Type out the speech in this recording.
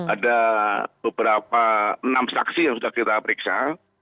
ada beberapa enam saksi yang sudah kita periksa